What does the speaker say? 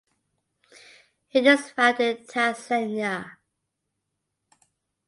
It is found in Tanzania.